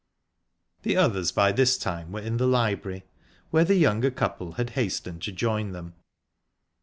The others by this time were in the library, where the younger couple hastened to join them.